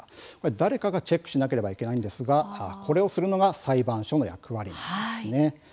誰かがチェックしなければいけないんですがこれをするのが裁判所の役割なんですね。